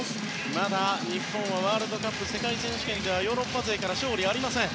まだ日本はワールドカップ、世界選手権ではヨーロッパ勢から勝利がありません。